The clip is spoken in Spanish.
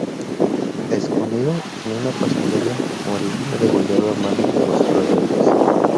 Escondido en una pastelería, moriría degollado a manos de los rebeldes.